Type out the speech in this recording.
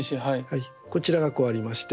こちらがこうありまして。